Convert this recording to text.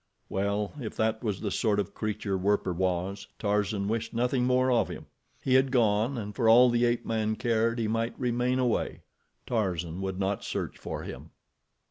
Well, if that was the sort of creature Werper was, Tarzan wished nothing more of him. He had gone, and for all the ape man cared, he might remain away—Tarzan would not search for him.